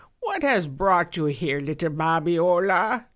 what has brought you here, little Babiola?"